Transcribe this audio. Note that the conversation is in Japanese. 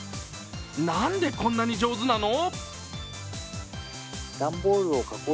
なんでこんなに上手なの？